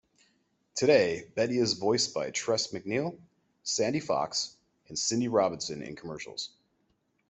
Today, Betty is voiced by Tress MacNeille, Sandy Fox and Cindy Robinson in commercials.